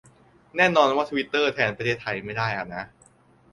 แน่นอนว่าทวิตเตอร์แทนประเทศไทยไม่ได้อะนะ